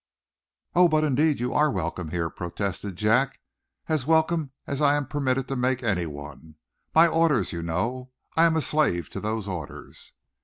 "Oh, but, indeed, you are welcome here," protested Jack. "As welcome as I am permitted to make anyone. My orders, you know I am a slave to those orders."